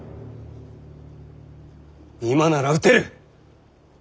今なら討てる！